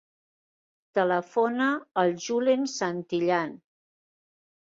Telefona al Julen Santillan.